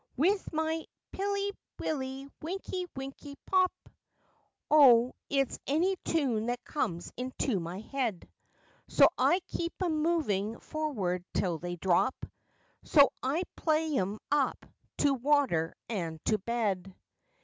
With my "Pilly willy winky winky popp!" [O it's any tune that comes into my head!] So I keep 'em moving forward till they drop; So I play 'em up to water and to bed.